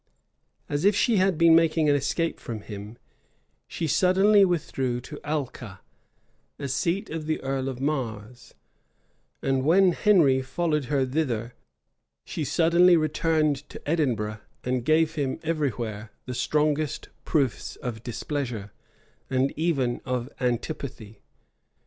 As if she had been making an escape from him, she suddenly withdrew to Allca, a seat of the earl of Marre's; and when Henry followed her thither, she suddenly returned to Edinburgh and give him every where the strongest proofs of displeasure, and even of antipathy.